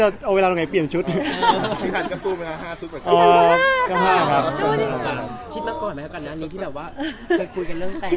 กระเตียงไปประมาณ๕ชุด